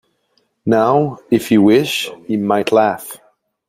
Now, if he wished, he might laugh.